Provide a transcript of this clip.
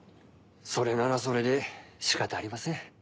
それならそれで仕方ありません。